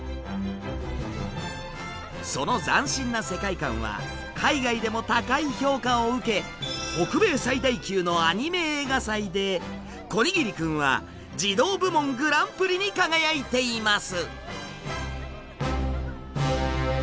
その斬新な世界観は海外でも高い評価を受け北米最大級のアニメ映画祭で「こにぎりくん」は児童部門グランプリに輝いています。